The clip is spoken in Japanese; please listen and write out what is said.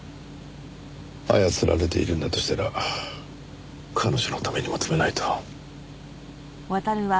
操られているんだとしたら彼女のためにも止めないと。